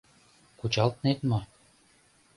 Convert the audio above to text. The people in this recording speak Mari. Кучалтнет мо?..